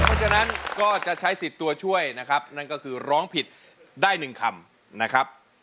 เพราะฉะนั้นก็จะใช้สิทธิ์ตัวช่วยนะครับนั่นก็คือร้องผิดได้๑คำนะครับ